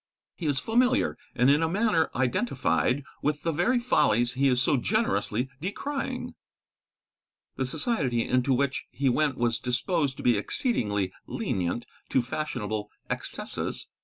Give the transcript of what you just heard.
He is familiar, and in a manner identified, with the very follies he is so generously decrying. The society into which he went was disposed to be exceedingly lenient to fashionable excesses.